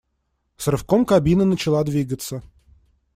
С рывком кабина начала двигаться.